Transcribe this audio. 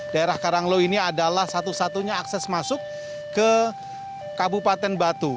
daerah karanglo ini adalah satu satunya akses masuk ke kabupaten batu